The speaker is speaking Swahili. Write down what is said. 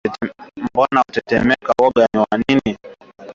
Mbona unatetemeka? Woga ni wa nini?